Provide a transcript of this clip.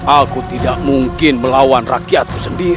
aku tidak mungkin melawan rakyatku sendiri